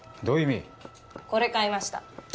どういう意味⁉これ買いました。